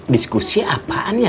diskusi apaan ya